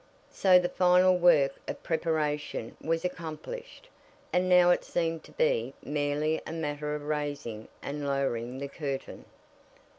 So the final work of preparation was accomplished, and now it seemed to be merely a matter of raising and lowering the curtain.